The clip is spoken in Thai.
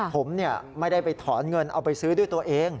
ผมไม่ได้ไปถอนเงินเอาไปซื้อด้วยตัวเอง